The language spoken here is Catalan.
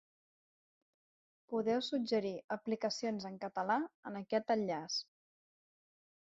Podeu suggerir aplicacions en català en aquest enllaç.